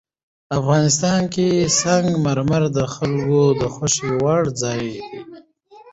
افغانستان کې سنگ مرمر د خلکو د خوښې وړ ځای دی.